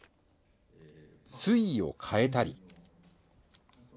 水位を変えたり。